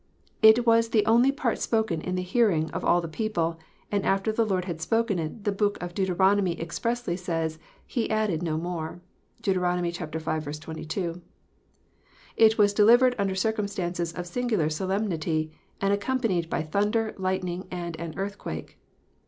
It was the only part spoken in the hearing of all the people, and after the Lord had spoken it, the Book of Deuter onomy expressly says, "He added no more." (Dent. v. 22.) It was delivered under circumstances of singular solemnity, and accompanied by thunder, lightning, and an earthquake.